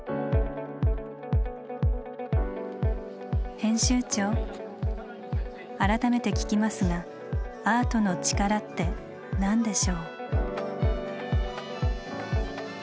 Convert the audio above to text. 編集長改めて聞きますが「アートの力」って何でしょう？